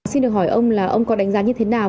xin được hỏi ông là ông có đánh giá như thế nào